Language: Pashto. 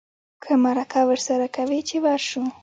که مرکه ورسره کوې چې ورشو.